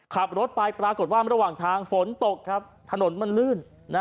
ขับรถไปปรากฏว่าระหว่างทางฝนตกครับถนนมันลื่น